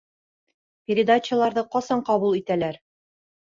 Передачаларҙы ҡасан ҡабул итәләр?